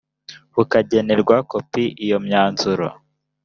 bukagenerwa kopi iyo myanzuro